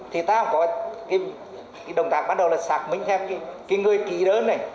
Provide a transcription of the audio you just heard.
thì ta không có cái động tác bắt đầu là xác minh theo cái người ký đơn này